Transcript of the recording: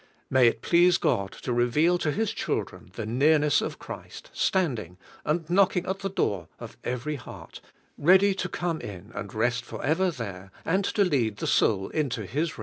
May it please God to reveal to His children the nearness of Christ standing and knocking at the door of every heart, ready to come in and rest forever there and to lead the soul into His rest.